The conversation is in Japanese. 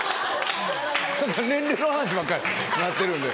年齢の話ばっかりになってるんで。